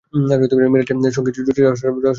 মিরাজের সঙ্গে জুটির রহস্যটা বলুন তো...